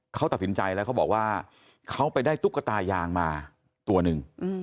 เขาตัดสินใจแล้วเขาบอกว่าเขาไปได้ตุ๊กตายางมาตัวหนึ่ง